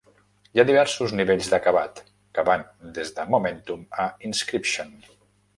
Hi ha diversos nivells d'acabat, que van des de "Momentum" a "Inscription".